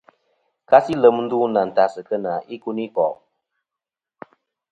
Kasi lem ndu nɨ̀ àntas kena ikunikò'.